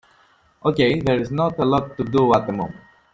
Okay, there is not a lot to do at the moment.